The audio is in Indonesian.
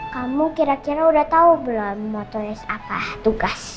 kamu kira kira udah tahu belum motonis apa tugas